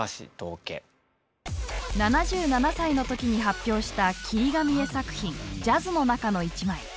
７７歳の時に発表した切り紙絵作品「ジャズ」の中の一枚。